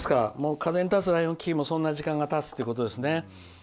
風に立つライオン基金もそんな時間がたつってことですね。